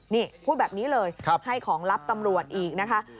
นี่พูดแบบนี้เลยให้ของลับตำรวจอีกนะคะ